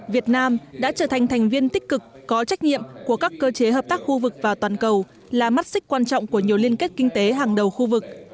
việt nam đã trở thành thành viên tích cực có trách nhiệm của các cơ chế hợp tác khu vực và toàn cầu là mắt xích quan trọng của nhiều liên kết kinh tế hàng đầu khu vực